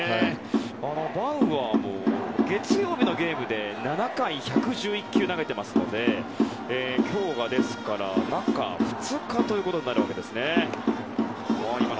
バウアーも月曜日のゲームで７回１１１球投げていますので今日が中２日ということになるわけですね。